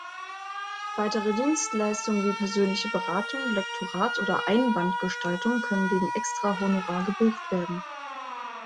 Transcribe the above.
Weitere Dienstleistungen wie persönliche Beratung, Lektorat oder Einbandgestaltung können gegen Extra-Honorar gebucht werden.